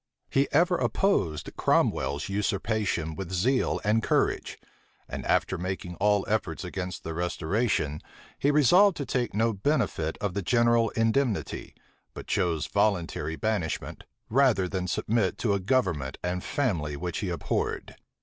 He ever opposed Cromwell's usurpation with zeal and courage; and after making all efforts against the restoration, he resolved to take no benefit of the general indemnity, but chose voluntary banishment, rather than submit to a government and family which he abhorred.